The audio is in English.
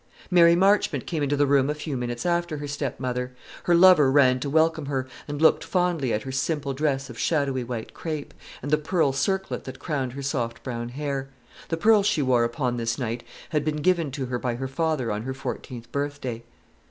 Mary Marchmont came into the room a few minutes after her stepmother. Her lover ran to welcome her, and looked fondly at her simple dress of shadowy white crape, and the pearl circlet that crowned her soft brown hair. The pearls she wore upon this night had been given to her by her father on her fourteenth birthday.